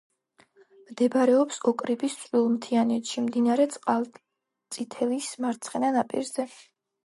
მდებარეობს ოკრიბის წვრილმთიანეთში, მდინარე წყალწითელის მარცხენა ნაპირზე.